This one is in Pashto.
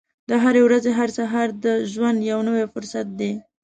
د هرې ورځې هر سهار د ژوند یو نوی فرصت دی.